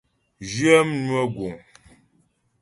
Zhyə mnwə guŋ.